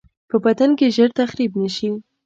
په بدن کې ژر تخریب نشي.